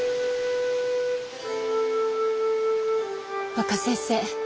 若先生。